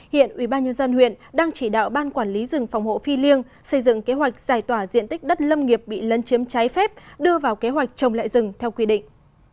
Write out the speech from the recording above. hiện ubnd huyện đang chỉ đạo ban quản lý rừng phòng hộ phi liêng xây dựng kế hoạch giải tỏa diện tích đất lâm nghiệp bị lấn chiếm trái phép đưa vào kế hoạch trồng lại rừng theo quy định